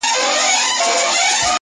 o له لېوني څخه ئې مه غواړه، مې ورکوه.